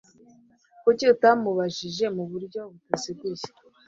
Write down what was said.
Kuki utamubajije mu buryo butaziguye?